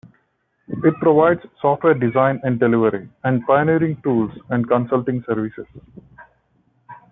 It provides software design and delivery, and pioneering tools and consulting services.